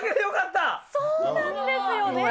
そうなんですよ。